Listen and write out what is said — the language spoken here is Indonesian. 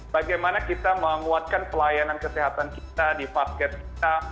bagaimana kita menguatkan pelayanan kesehatan kita di vasket kita